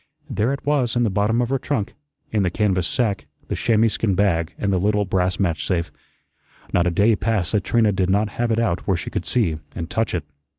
There it was in the bottom of her trunk, in the canvas sack, the chamois skin bag, and the little brass match safe. Not a day passed that Trina did not have it out where she could see and touch it.